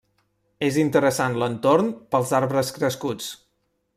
És interessant l'entorn pels arbres crescuts.